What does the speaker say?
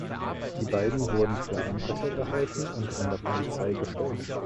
Die beiden wurden für Einbrecher gehalten und von der Polizei gestellt.